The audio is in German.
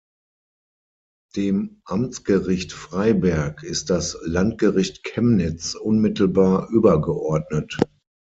Dem Amtsgericht Freiberg ist das Landgericht Chemnitz unmittelbar übergeordnet.